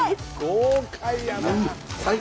豪快やな！